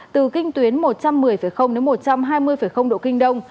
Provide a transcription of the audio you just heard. từ kinh tuyến một trăm một mươi một trăm hai mươi độ kinh đông